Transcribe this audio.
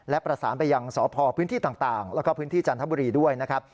และประสานไปยังสพพื้นที่ต่างแล้วก็พื้นที่จันทบุรีด้วยนะครับ